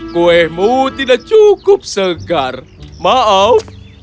kuemu tidak cukup segar maaf